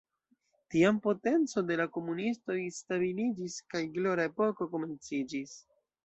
Tiam potenco de la komunistoj stabiliĝis kaj "glora epoko" komenciĝis.